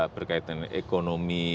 berkaitan dengan ekonomi